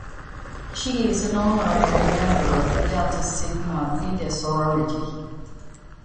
She is an Honorary member of Delta Sigma Theta sorority.